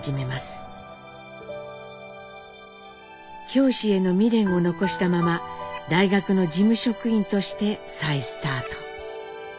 教師への未練を残したまま大学の事務職員として再スタート。